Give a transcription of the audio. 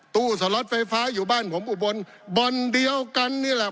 สล็อตไฟฟ้าอยู่บ้านผมอุบลบ่อนเดียวกันนี่แหละ